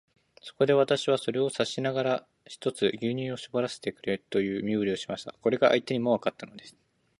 そこで、私はそれを指さしながら、ひとつ牛乳をしぼらせてくれという身振りをしました。これが相手にもわかったのです。